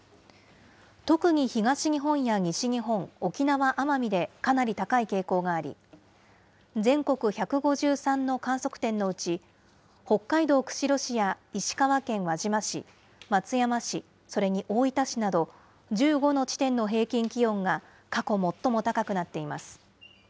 特に東日本や西日本、沖縄・奄美でかなり高い傾向があり、全国１５３の観測点のうち、北海道釧路市や石川県輪島市、松山市、それに大分市など、１５の地点の平均気温が過去最も高くなっています。